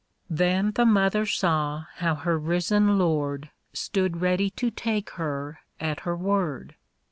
3$ Then the mother saw how her risen Lord Stood ready to take her at her word.